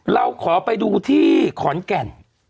เราขอไปดูที่ขอนแก่น